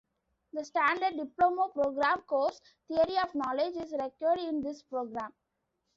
The standard Diploma programme course, Theory of Knowledge, is required in this program.